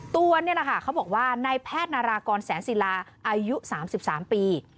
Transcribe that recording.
ตัวนี่เขาบอกว่านายแพทย์นารากรแสนสิลาอายุ๓๓ปี